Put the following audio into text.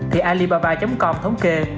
thì alibaba com thống kê